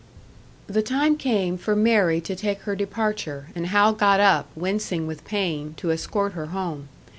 The time came for Mary to take her departure, and Hal got up, wincing with pain, to escort her home.